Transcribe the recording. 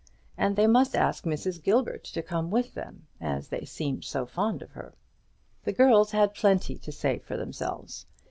And they must ask Mrs. Gilbert to come with them, as they seemed so fond of her. The girls had plenty to say for themselves.